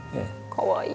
かわいい。